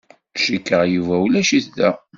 Cikkeɣ Yuba ulac-it da.